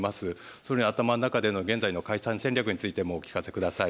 総理の頭の中での現在の解散戦略についてもお聞かせください。